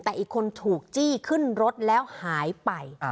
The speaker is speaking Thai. แต่อีกคนถูกจี้ขึ้นรถแล้วหายไป